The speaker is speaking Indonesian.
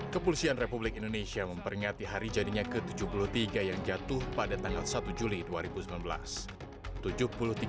kepolisian republik indonesia memperingati hari jadinya ke tujuh puluh tiga yang jatuh pada tanggal satu juli dua ribu sembilan belas